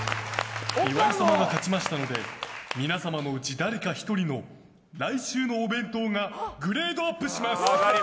岩井様が勝ちましたので皆様のうち誰か１人の来週のお弁当がグレードアップします。